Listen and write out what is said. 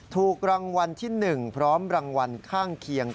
ถูกรางวัลที่๑พร้อมรางวัลข้างเคียง